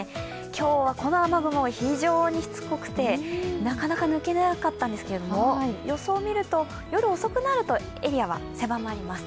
今日はこの雨雲非常にしつこくて、なかなか抜けなかったんですけれども、予想を見ると、夜遅くなるとエリアは狭まります。